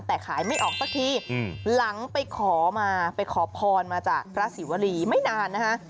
แต่ขายไม่ออกสักทีหลังไปขอมาไปขอพรมาจากพระศิวรีไม่นานนะคะ